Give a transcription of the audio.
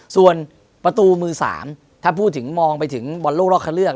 ส่วนประตูมือ๓ถ้าพูดถึงมองไปถึงบอลโลกรอบคันเลือก